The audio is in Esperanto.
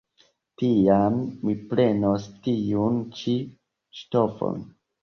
Tiam mi prenos tiun ĉi ŝtofon.